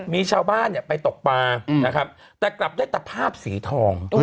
มีชาวบ้านไปตกปลานะครับแต่กลับได้แต่ภาพสีทอง